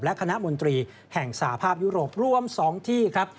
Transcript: และคณะมนตรีแห่งสาภาพยุโรปรวม๒ที่ครับ